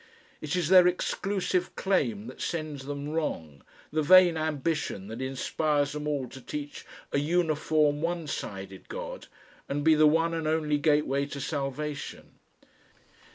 It is their exclusive claim that sends them wrong, the vain ambition that inspires them all to teach a uniform one sided God and be the one and only gateway to salvation.